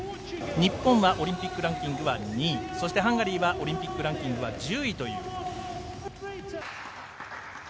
日本、オリンピックランキングは２位、ハンガリーはオリンピックランキングは１０位という。